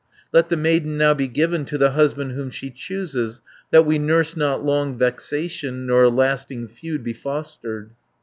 Let the maiden now be given To the husband whom she chooses, That we nurse not long vexation, Nor a lasting feud be fostered."